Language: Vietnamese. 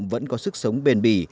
vẫn có sức sống bền bì